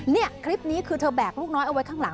นี่คลิปนี้คือเธอแบกลูกน้อยเอาไว้ข้างหลัง